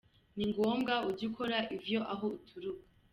Ni ngombwa uje gukora ivyo aho uturuka.